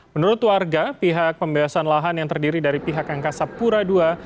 menurut warga pihak pembebasan lahan yang terdiri dari pihak angkasa pura ii